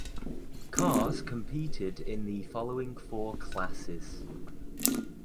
Cars competed in the following four classes.